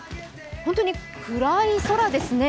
本当に暗い空ですね。